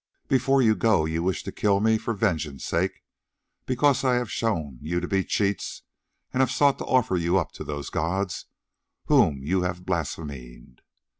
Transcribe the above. But before you go you wish to kill me for vengeance' sake, because I have shown you to be cheats, and have sought to offer you up to those gods whom you have blasphemed.